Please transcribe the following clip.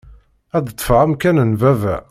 Ad ṭṭfeɣ amkan n baba.